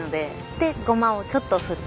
でゴマをちょっと振った。